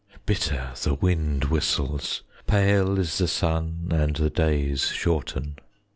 Bitter the wind whistles, Pale is the sun, And the days shorten.